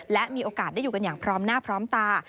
และมีโอกาสได้อยู่กันอย่างพร้อมหน้าพร้อมตา